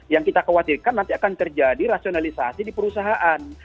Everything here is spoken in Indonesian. yang kita khawatirkan nanti akan terjadi rasionalisasi di perusahaan